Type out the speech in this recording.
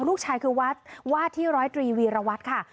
ลูกชายคือวาดที่๑๐๓วีรวัตน์ค่ะ